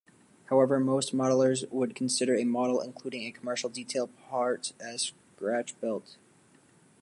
However most modellers would consider a model including commercial detail parts as scratchbuilt.